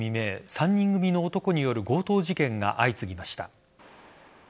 ３人組の男による強盗事件が相次ぎました。